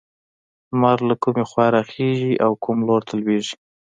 لمر له کومې خوا راخيژي او کوم لور ته لوېږي؟